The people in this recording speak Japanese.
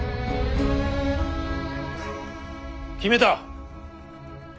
決めた。